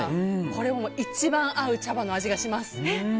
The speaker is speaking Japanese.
これ、一番合う茶葉の味がします。